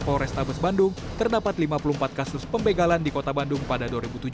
polrestabes bandung terdapat lima puluh empat kasus pembegalan di kota bandung pada dua ribu tujuh belas